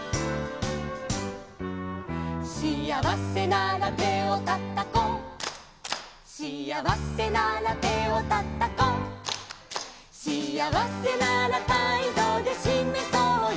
「しあわせなら手をたたこう」「」「しあわせなら手をたたこう」「」「しあわせなら態度でしめそうよ」